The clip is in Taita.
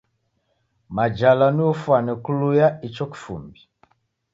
Majala nio ufwane kuluya icho kifumbi.